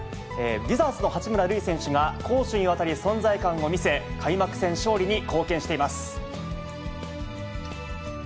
ウィザーズの八村塁選手が攻守にわたり存在感を見せ、開幕戦勝利に貢献しています。